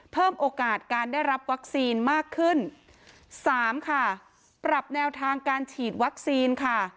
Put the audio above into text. เพิ่มโอกาสการได้รับวัคซีนมากขึ้นสามค่ะปรับแนวทางการฉีดวัคซีนค่ะ